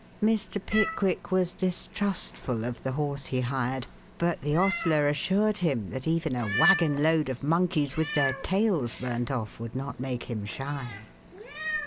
Mr. Pickwick was distrustful of the horse he hired, but the hostler assured him that even a wagon load of monkeys with their tails burnt off would not make him shy.